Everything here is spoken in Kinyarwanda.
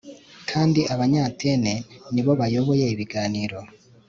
kandi abanyatene nibo bauyoboye ibiganiro